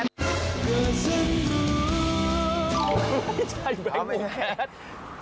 ไม่ใช่แบงก์โมงแคท